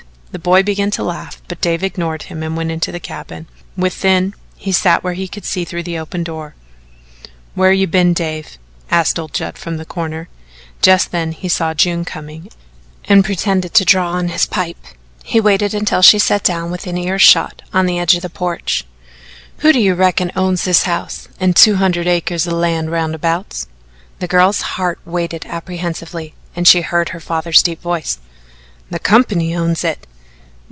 The boy began to laugh, but Dave ignored him and went on into the cabin. Within, he sat where he could see through the open door. "Whar you been, Dave?" asked old Judd from the corner. Just then he saw June coming and, pretending to draw on his pipe, he waited until she had sat down within ear shot on the edge of the porch. "Who do you reckon owns this house and two hundred acres o' land roundabouts?" The girl's heart waited apprehensively and she heard her father's deep voice. "The company owns it."